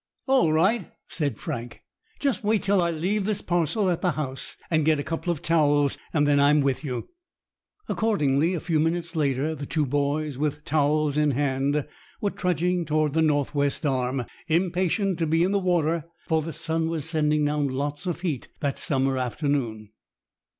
"All right!" said Frank. "Just wait till I leave this parcel at the house and get a couple of towels, and then I'm with you." Accordingly, a few minutes later the two boys, with towels in hand, were trudging toward the North west Arm, impatient to be in the water, for the sun was sending down lots of heat that summer afternoon.